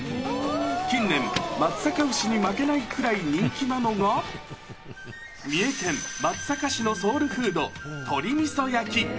近年、松阪牛に負けないくらい人気なのが、三重県松阪市のソウルフード、鶏みそ焼き。